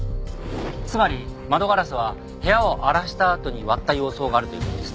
つまり窓ガラスは部屋を荒らしたあとに割った様相があるという事です。